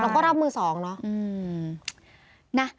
แล้วก็รับมือสองเนอะ